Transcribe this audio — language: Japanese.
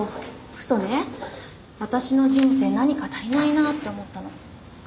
私の人生何か足りないなって思ったの。